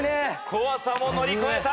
怖さも乗り越えた！